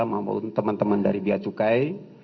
maupun teman teman dari biacukai